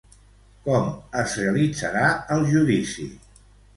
Com es realitzarà el judici?